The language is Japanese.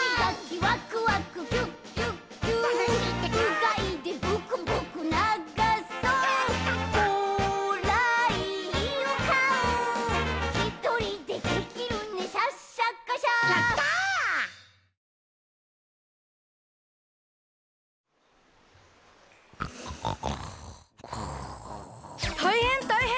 たいへんたいへん！